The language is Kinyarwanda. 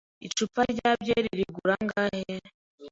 Icupa rya byeri rigura angahe?